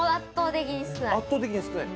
圧倒的に少ない。